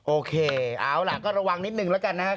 โอเคเอาล่ะก็ระวังนิดนึงแล้วกันนะครับ